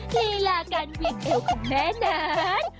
ลีลาการเวียงเอวของแม่นั้น